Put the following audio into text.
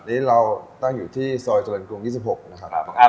อันนี้เราตั้งอยู่ที่ซอยเจริญกรุง๒๖นะครับ